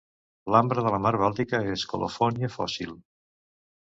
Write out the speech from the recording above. L'ambre de la mar Bàltica és colofònia fòssil.